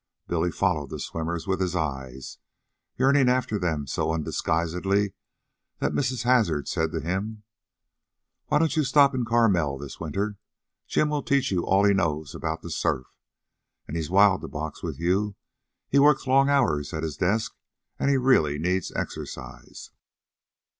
Billy followed the swimmers with his eyes, yearning after them so undisguisedly that Mrs. Hazard said to him: "Why don't you stop in Carmel this winter? Jim will teach you all he knows about the surf. And he's wild to box with you. He works long hours at his desk, and he really needs exercise."